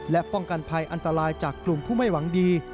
และป้องกันภัยอันตรายจากกลุ่มผู้ไม่หวังดี